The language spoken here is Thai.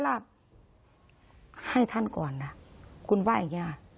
พระพุทธคือพระพุทธคือ